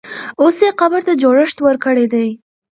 اوس یې قبر ته جوړښت ورکړی دی.